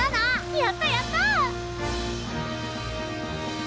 やったやった！